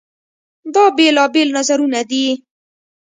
دا بېلابېل نظرونه دي.